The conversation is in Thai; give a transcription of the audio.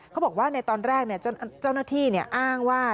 เขาบอกว่าในตอนแรกเจ้าหน้าที่อ้างว่า